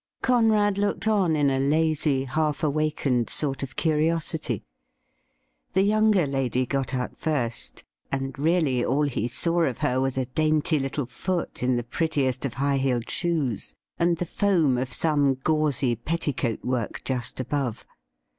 CoNEAD looked on in a lazy, half awakened sort of curiosity. The younger lady got out first, and really all he saw of her was a dainty little foot in the prettiest of high heeled shoes, and the foam of some gauzy petticoat work just above.